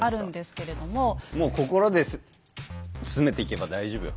もう心で詰めていけば大丈夫よ。